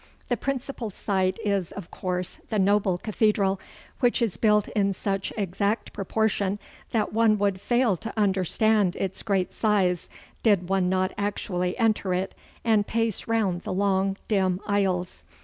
The principal sight is of course the noble cathedral, which is built in such exact proportion that one would fail to understand its great size did one not actually enter it and pace round the long dim aisles.